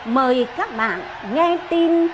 mời các bạn nghe tin chiến thắng